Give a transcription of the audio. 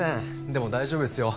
でも大丈夫ですよ